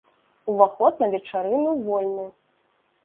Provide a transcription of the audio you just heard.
Уваход на вечарыну вольны!